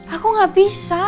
aku gak bisa